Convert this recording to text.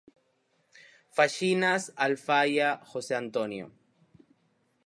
Faxinas Alfaia, José Antonio.